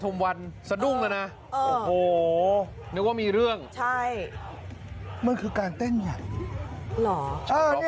มันคือการเต้นหยัด